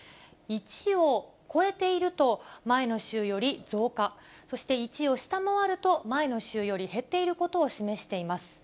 １を超えていると前の週より増加、そして１を下回ると前の週より減っていることを示しています。